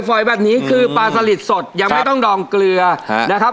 ฝอยแบบนี้คือปลาสลิดสดยังไม่ต้องดองเกลือนะครับ